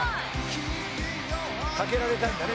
「掛けられたいんだね